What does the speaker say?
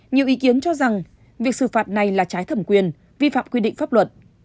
nhiều ý kiến cho rằng việc xử phạt này là trái thẩm quyền vi phạm quy định pháp luật